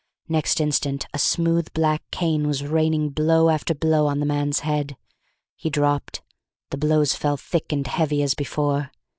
Next instant a smooth black cane was raining blow after blow on the man's head. He dropped; the blows fell thick and heavy as before.